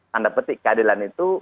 tanda petik keadilan itu